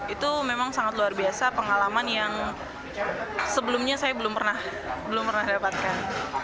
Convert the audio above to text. itu memang sangat luar biasa pengalaman yang sebelumnya saya belum pernah dapatkan